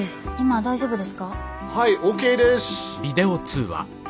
はいＯＫです。